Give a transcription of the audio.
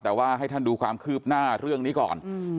แต่ว่าให้ท่านดูความคืบหน้าเรื่องนี้ก่อน